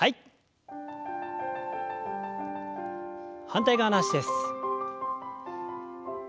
反対側の脚です。